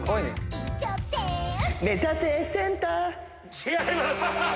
違います！